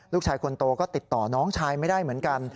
ลูกชายคนโตก็ติดต่อน้องชายไม่ได้เหมือนกัน